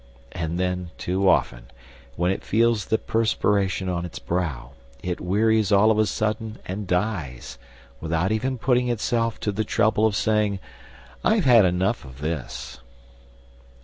And then, too often, when it feels the perspiration on its brow, it wearies all of a sudden and dies, without even putting itself to the trouble of saying, "I've had enough of this."